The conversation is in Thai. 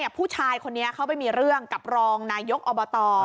ผู้ชายคนนี้เขาไปมีเรื่องกับรองนายกอบต